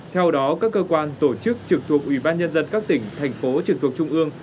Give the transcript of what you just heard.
theo đó các cơ quan tổ chức trực thuộc ủy ban nhân dân các tỉnh thành phố trực thuộc trung ương